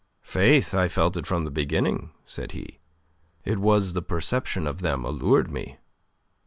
"Faith, I felt it from the beginning," said he. "It was the perception of them allured me."